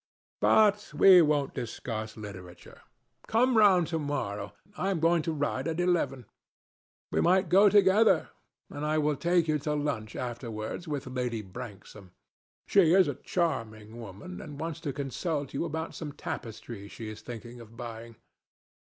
But we won't discuss literature. Come round to morrow. I am going to ride at eleven. We might go together, and I will take you to lunch afterwards with Lady Branksome. She is a charming woman, and wants to consult you about some tapestries she is thinking of buying.